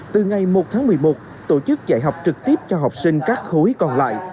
từ ngày một tháng một mươi một tổ chức dạy học trực tiếp cho học sinh các khối còn lại